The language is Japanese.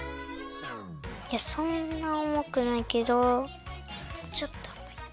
そんなおもくないけどちょっとおもい。